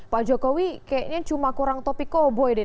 pak jokowi kayaknya cuma kurang topik koboy deh